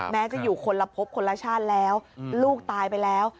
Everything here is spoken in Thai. แม้จะอยู่คนละพบคนละชาติแล้วลูกตายไปแล้ว